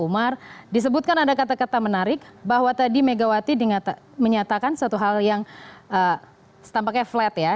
umar disebutkan ada kata kata menarik bahwa tadi megawati menyatakan satu hal yang tampaknya flat ya